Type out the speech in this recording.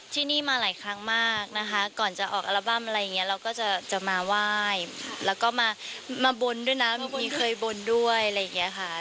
ที่นี่มาหลายครั้งมากนะคะก่อนจะออกอัลบั้มอะไรอย่างนี้เราก็จะมาไหว้แล้วก็มาบนด้วยนะบางทีเคยบนด้วยอะไรอย่างนี้ค่ะ